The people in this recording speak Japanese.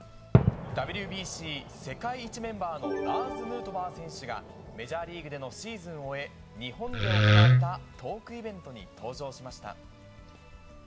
ＷＢＣ世界一メンバーのラーズ・ヌートバー選手がメジャーリーグでのシーズンを終え、日本で行われたトークイベントに登場しました。